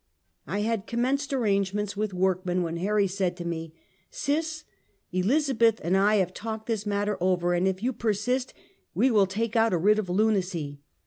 I had commenced arrangements with workmen, when Harry said to me: " Sis, Elizabeth and I have talked this matter over, and if you persist, we will take out a writ of lunacy.